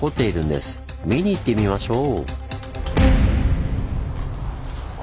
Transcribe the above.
見に行ってみましょう。